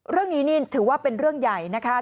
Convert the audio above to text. เรื่องนี้นี่ถือว่าเป็นเรื่องใหญ่นะคะ